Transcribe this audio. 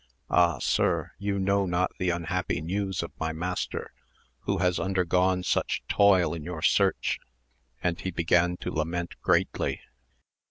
— ^Ah sir, you know not the unhappy news of my master who has undergone such toil in your search ! and he began to lament greatly.